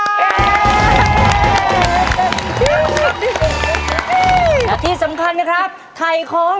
และที่สำคัญนะครับถ่ายของ